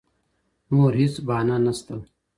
نور هېڅ بهانه نشته.